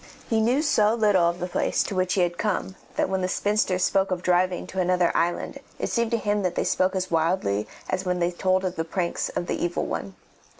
He knew so little of the place to which he had come that when the spinsters spoke of driving to another island it seemed to him that they spoke as wildly as when they told of the pranks of the Evil One.